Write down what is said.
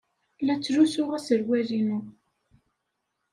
La ttlusuɣ aserwal-inu.